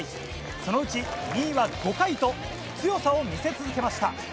そのうち２位は５回と強さを見せ続けました。